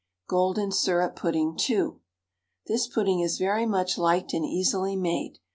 GOLDEN SYRUP PUDDING (2). This pudding is very much liked and easily made.